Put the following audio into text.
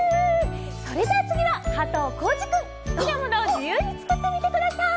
それじゃあ次は加藤浩次君、好きなものを自由につくってみてください！